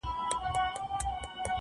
زه اوږده وخت موبایل کاروم؟